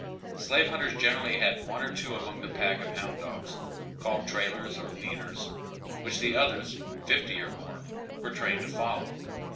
Slave hunters generally had one or two among the pack of hound dogs, called trailers or leaders, which the others, fifty or more, were trained to follow.